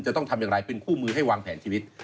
จะต้องทำอย่างไรเป็นคู่มือให้วางแผนชีวิต